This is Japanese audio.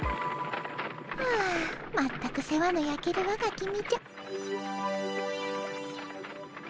はあ全く世話のやけるわがきみじゃ。